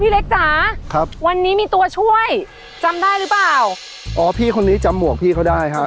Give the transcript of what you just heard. เล็กจ๋าครับวันนี้มีตัวช่วยจำได้หรือเปล่าอ๋อพี่คนนี้จำหมวกพี่เขาได้ครับ